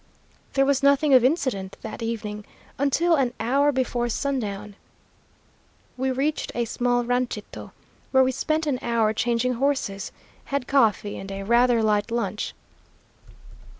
There was nothing of incident that evening, until an hour before sundown. We reached a small ranchito, where we spent an hour changing horses, had coffee and a rather light lunch.